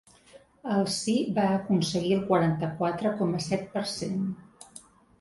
El sí va aconseguir el quaranta-quatre coma set per cent.